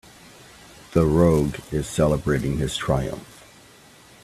The rogue is celebrating his triumph.